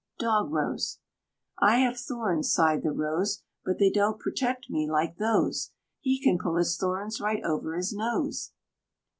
DOG ROSE. "I have thorns," sighed the Rose, "But they don't protect me like those; He can pull his thorns right over his nose."